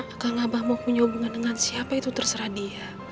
apakah ngabah mau punya hubungan dengan siapa itu terserah dia